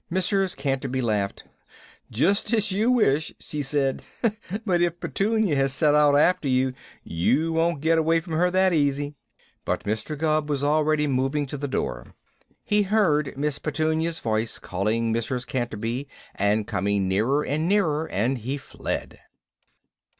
Mrs. Canterby laughed. "Just as you wish," she said, "but if Petunia has set out after you, you won't get away from her that easy." But Mr. Gubb was already moving to the door. He heard Miss Petunia's voice calling Mrs. Canterby, and coming nearer and nearer, and he fled.